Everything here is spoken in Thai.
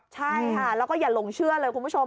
ใช่ค่ะแล้วก็อย่าหลงเชื่อเลยคุณผู้ชม